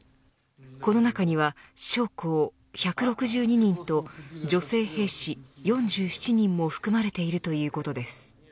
この中には将校１６２人と女性兵士４７人を含まれているということです。